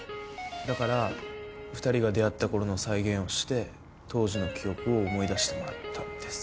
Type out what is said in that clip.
だから２人が出会った頃の再現をして当時の記憶を思い出してもらったんです。